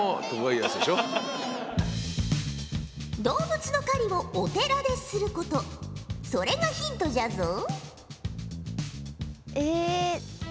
動物の狩りをお寺ですることそれがヒントじゃぞう。